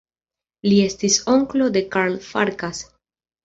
Li estis onklo de Karl Farkas.